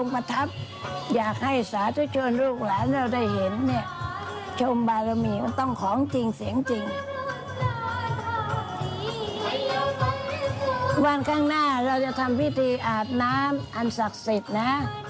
วันข้างหน้าเราจะทำพิธีอาบน้ำอันศักดิ์สิทธิ์นะ